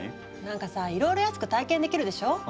なんかさいろいろ安く体験できるでしょ？